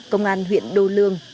công an huyện đô lương